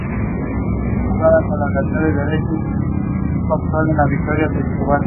Para entonces su carrera ya había finalizado.